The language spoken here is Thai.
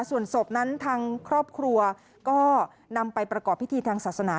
ส่วนศพนั้นทางครอบครัวก็นำไปประกอบพิธีทางศาสนา